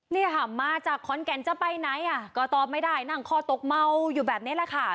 นี่ค่ะมาจากขอนแก่นจะไปไหนอ่ะก็ตอบไม่ได้นั่งคอตกเมาอยู่แบบนี้แหละค่ะ